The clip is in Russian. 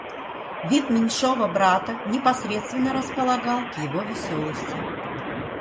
Вид меньшого брата непосредственно располагал его к веселости.